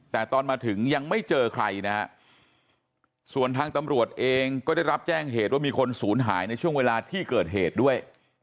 แต่ตอนมาถึงยังไม่เจอใครนะฮะส่วนทางตำรวจเองก็ได้รับแจ้งเหตุว่ามีคนศูนย์หายในช่วงเวลาที่เกิดเหตุด้วย